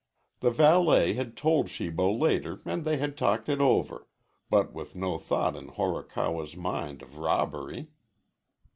The valet had told Shibo later and they had talked it over, but with no thought in Horikawa's mind of robbery.